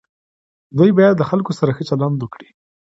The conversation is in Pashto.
دوی باید له خلکو سره ښه چلند وکړي.